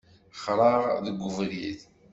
Xraɣ deg ubrid.